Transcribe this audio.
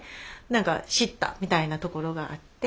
何か知ったみたいなところがあって。